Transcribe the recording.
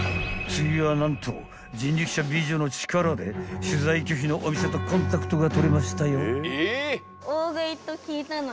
［次は何と人力車美女の力で取材拒否のお店とコンタクトが取れましたよ］